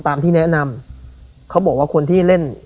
ตามที่แนะนำเขาบอกว่าคนที่เล่น